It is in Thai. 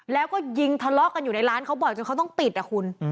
แล้วก็ยิงทะเลาะกันอยู่ในร้านเขาบ่อยจนเขาต้องปิดนะคุณ